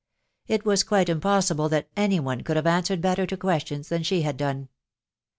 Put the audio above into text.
It was quite impossible that any one could have answered better to questions than she had done.